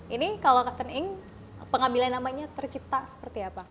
ini kalau katen ing pengambilan namanya tercipta seperti apa